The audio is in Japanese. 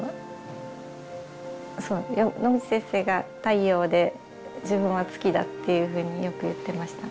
そうノグチ先生が太陽で自分は月だっていうふうによく言ってました。